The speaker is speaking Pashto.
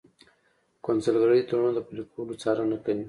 قونسلګرۍ د تړونونو د پلي کولو څارنه کوي